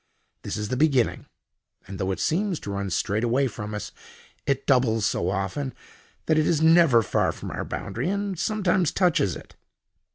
This is the beginning, and though it seems to run straight away from us, it doubles so often, that it is never far from our boundary and sometimes touches it."